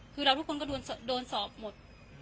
คือเราทุกคนก็โดนสอบหมด